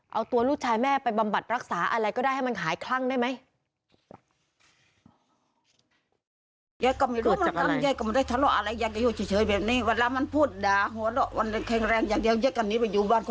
เอาตัวลูกชายแม่ไปบำบัดรักษาอะไรก็ได้ให้มันหายคลั่งได้ไหม